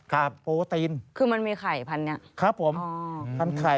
โปรตีนคือมันมีไข่พันเนี้ยครับผมอ๋อพันไข่